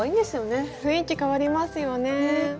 雰囲気変わりますよね。